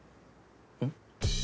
うん？